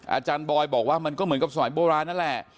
อาจารย์บอยบอกว่ามันก็เหมือนกับสมัยโบราณนั่นแหละ